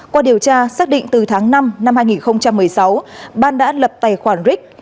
qua điều tra xác định từ tháng năm năm hai nghìn một mươi sáu ban đã lập tài khoản ric